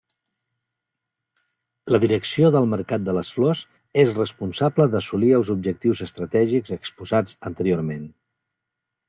La Direcció del Mercat de les Flors és responsable d'assolir els objectius estratègics exposats anteriorment.